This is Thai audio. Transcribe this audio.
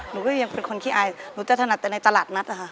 หนูก็ยังเป็นคนขี้อายหนูจะถนัดแต่ในตลาดนัดนะคะ